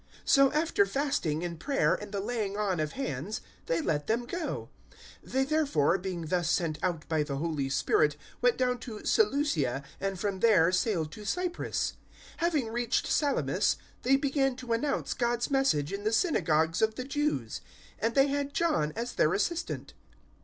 013:003 So, after fasting and prayer and the laying on of hands, they let them go. 013:004 They therefore, being thus sent out by the Holy Spirit, went down to Seleuceia, and from there sailed to Cyprus. 013:005 Having reached Salamis, they began to announce God's Message in the synagogues of the Jews. And they had John as their assistant.